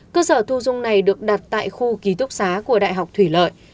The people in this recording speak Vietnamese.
cơ sở thu dung này được đặt tại khu ký túc xá của đại học thủy lợi